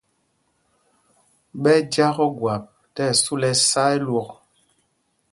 Ɓɛ́ ɛ́ jǎk ogwâp tí ɛsu lɛ ɛsá ɛlwok.